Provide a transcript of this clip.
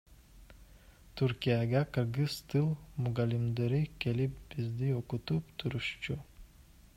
Түркияга кыргыз тил мугалимдери келип бизди окутуп турушчу.